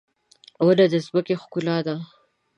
• ونه د ځمکې ښکلا ده.